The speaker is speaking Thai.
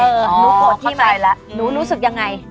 หนูโกรธพี่ไหมหนูรู้สึกยังไง